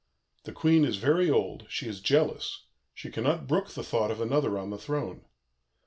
The Queen is very old; she is jealous, she cannot brook the thought of another on the throne.